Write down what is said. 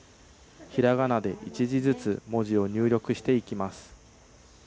ひらがなで１字ずつ、文字を入力していきます。